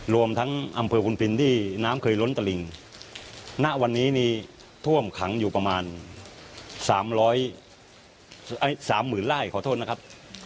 รวมทั้งอำเภอคุณพินที่น้ำเคยล้นตะหลิงณวันนี้นี้ท่วมขังอยู่ประมาณ๓๐๐๐ไร่ขอโทษนะครับ